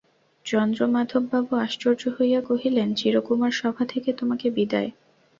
চন্দ্রমাধববাবু আশ্চর্য হইয়া কহিলেন, চিরকুমার-সভা থেকে তোমাকে বিদায়?